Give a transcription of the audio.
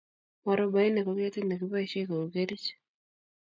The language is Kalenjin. Mwarobaine ko ketit ne kiboisie ko u kerich.